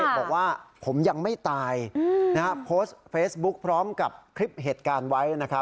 บอกว่าผมยังไม่ตายโพสต์เฟซบุ๊คพร้อมกับคลิปเหตุการณ์ไว้